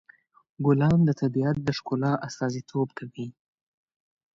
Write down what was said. ګلان د طبیعت د ښکلا استازیتوب کوي.